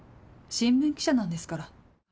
新聞記者なんですから。